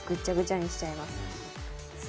ぐちゃぐちゃにしちゃいます。